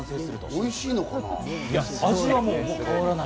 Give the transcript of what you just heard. おいしいのかな？